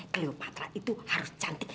cleopatra itu harus cantik